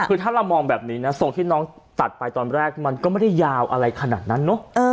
คือถ้าเรามองแบบนี้นะทรงที่น้องตัดไปตอนแรกมันก็ไม่ได้ยาวอะไรขนาดนั้นเนอะ